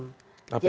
apa itu maksudnya bu